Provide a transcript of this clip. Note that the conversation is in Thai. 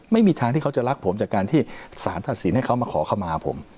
ไม่มีทางที่เขาจะรักผมจากการที่สารตัดสินให้เขามาขอเข้ามาผม